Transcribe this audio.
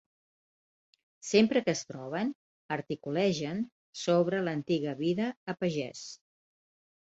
Sempre que es troben articulegen sobre l'antiga vida a pagès.